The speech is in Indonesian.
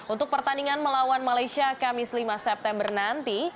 untuk pertandingan melawan malaysia kamis lima september nanti